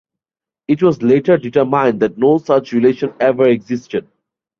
It was later determined that no such relation ever existed.